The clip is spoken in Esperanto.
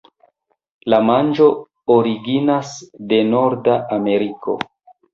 La manĝo originas de Norda Ameriko.